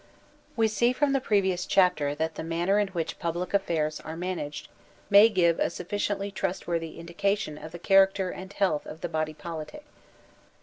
We see from the previous chapter that the manner in which public affairs are managed may give a sufficiently trustworthy indication of the character and health of the body politic.